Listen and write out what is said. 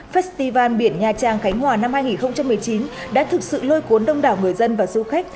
festival biển nha trang khánh hòa năm hai nghìn một mươi chín đã thực sự lôi cuốn đông đảo người dân và du khách